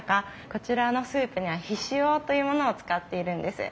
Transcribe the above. こちらのスープには醤というものを使っているんです。